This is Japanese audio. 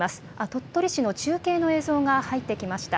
鳥取市の中継の映像が入ってきました。